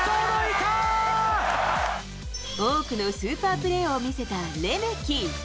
多くのスーパープレーを見せたレメキ。